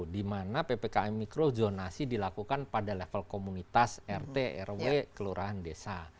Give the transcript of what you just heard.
di mana ppkm mikro zonasi dilakukan pada level komunitas rt rw kelurahan desa